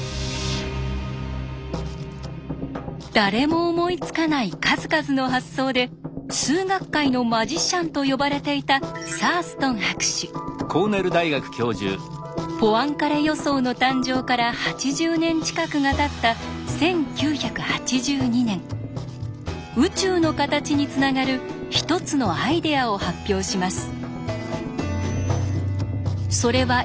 誰も思いつかない数々の発想で「数学界のマジシャン」と呼ばれていたポアンカレ予想の誕生から８０年近くがたった１９８２年宇宙の形につながる一つのアイデアを発表します。